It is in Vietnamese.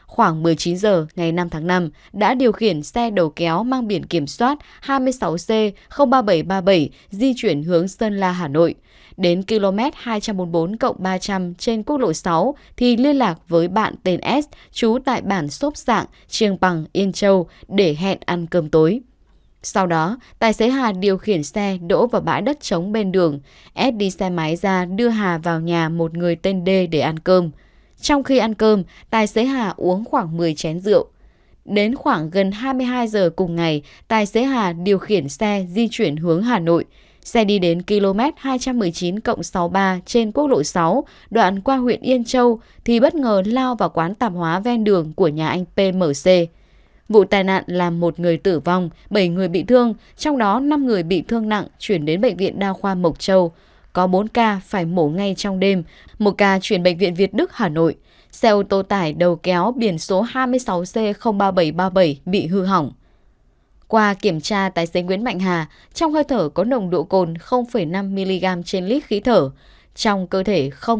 khoảng một mươi chín h ngày năm tháng năm đã điều khiển xe đầu kéo mang biển kiểm soát hai mươi sáu c ba nghìn bảy trăm ba mươi bảy di chuyển hướng sơn la hà nội đến km hai trăm một mươi bốn ba trăm linh trên quốc lộ sáu thì liên lạc với bạn tên s trú tại bản xốp sạng trường bằng yên châu để hẹn ăn cơm tối